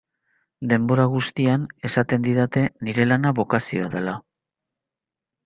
Denbora guztian esaten didate nire lana bokazioa dela.